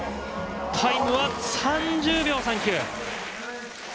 タイムは３０秒３９。